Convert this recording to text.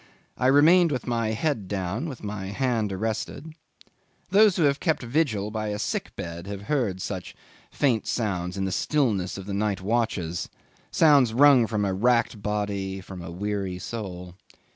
I remained with my head down, with my hand arrested. Those who have kept vigil by a sick bed have heard such faint sounds in the stillness of the night watches, sounds wrung from a racked body, from a weary soul.